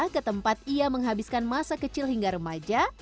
ke tempat ia menghabiskan masa kecil hingga remaja